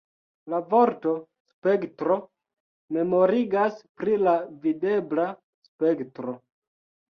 La vorto ""spektro"" memorigas pri la videbla spektro.